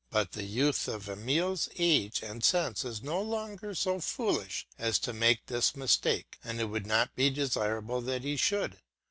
But a youth of Emile's age and sense is no longer so foolish as to make this mistake, and it would not be desirable that he should.